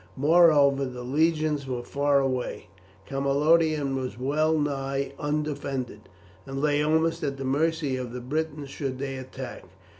Moreover the legions were far away; Camalodunum was well nigh undefended, and lay almost at the mercy of the Britons should they attack.